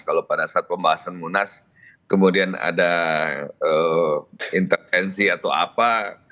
kalau pada saat pembahasan munas kemudian ada intervensi atau apa